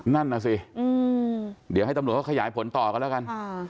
นั่นน่ะสิเดี๋ยวให้ตำรวจเขาขยายผลต่อกันแล้วกัน